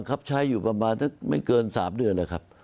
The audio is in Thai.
ครับใช้อยู่ประมาณไม่เกิน๓เดือนแล้วครับ